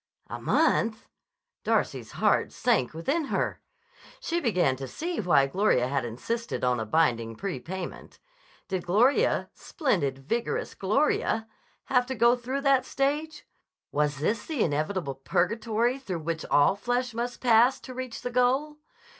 A month! Darcy's heart sank within her. She began to see why Gloria had insisted on a binding prepayment. Did Gloria, splendid, vigorous Gloria, have to go through that stage? Was this the inevitable purgatory through which all flesh must pass to reach the goal?